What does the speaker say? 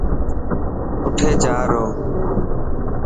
اُٺي جا رو.